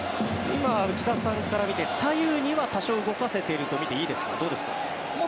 今、内田さんから見て左右には多少、動かせているとみていいですか、どうですか？